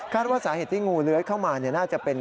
ว่าสาเหตุที่งูเลื้อยเข้ามาน่าจะเป็น